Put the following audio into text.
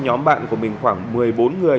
nhóm bạn của mình khoảng một mươi bốn người